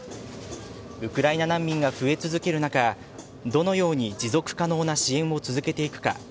ウクライナ難民が増え続ける中どのように持続可能な支援を続けていくか。